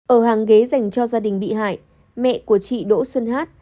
ở hàng ghế dành cho gia đình bị hại mẹ của chị đỗ xuân hát